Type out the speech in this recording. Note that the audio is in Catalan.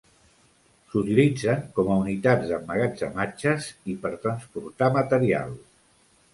S'utilitzen com a unitats d'emmagatzematges i per transportar materials.